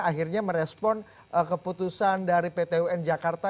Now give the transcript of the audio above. akhirnya merespon keputusan dari pt un jakarta